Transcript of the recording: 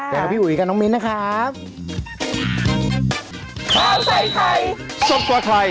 เดี๋ยวพี่อุ๋ยกับน้องมิ้นนะครับ